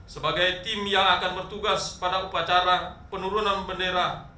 sebagai tim yang akan bertugas pada upacara penurunan bendera